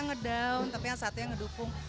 yang satu yang ngedown tapi yang satunya ngedukung